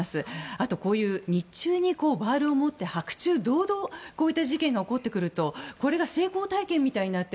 あと、こういう日中にバールを持って、白昼堂々こういった事件が起こってくるとこれが成功体験みたいになって